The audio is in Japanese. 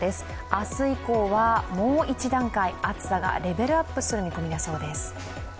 明日以降は、もう一段階暑さがレベルアップする見込みだそうです。